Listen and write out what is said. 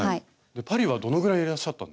パリはどのぐらいいらっしゃったんですか？